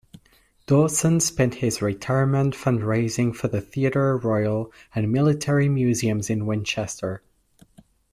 Dawson spent his retirement fundraising for the Theatre Royal and military museums in Winchester.